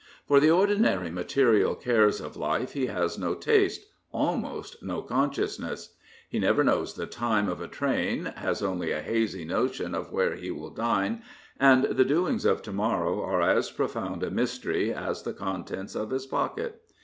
For the ordinary material cares of life he has no taste, almost no consciousness. He never knows the time of a train, has only a hazy notion of where he will dine, and the doings of to morrow are as profound a mystery as the contents of his pocket.